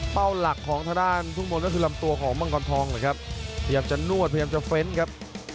หลักของทางด้านทุ่งมนต์ก็คือลำตัวของมังกรทองเลยครับพยายามจะนวดพยายามจะเฟ้นครับ